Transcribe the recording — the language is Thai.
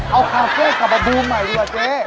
เอาคาเฟ่กลับมาบูมใหม่ดีกว่าเจ๊